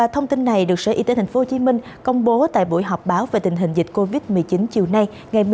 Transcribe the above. thông tin này được sở y tế tp hcm công bố tại buổi họp báo về tình hình dịch covid một mươi chín chiều nay